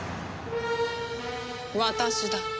私だ。